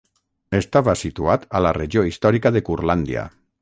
Estava situat a la regió històrica de Curlàndia.